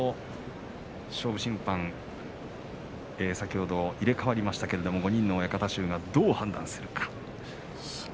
勝負審判、先ほど入れ代わりましたけれども５人の親方衆、どう判断するか。